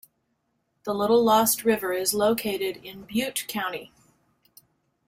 The Little Lost River is located in Butte County.